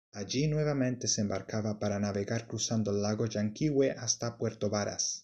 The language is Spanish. Allí nuevamente se embarcaba para navegar cruzando el lago Llanquihue hasta Puerto Varas.